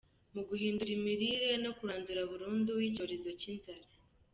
mu guhindura imirire no kurandura burundu icyorezo cy’inzara.